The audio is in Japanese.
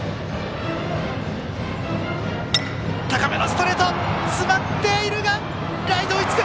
高めのストレート詰まっているがライト、追いつく。